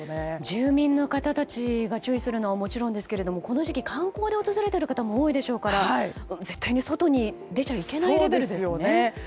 住民の方たちが注意するのはもちろんですけどこの時期、観光で訪れている人も多いでしょうから絶対に外に出ちゃいけないレベルですね。